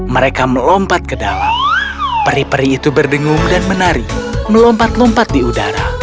mereka melompat ke dalam peri peri itu berdengung dan menari melompat lompat di udara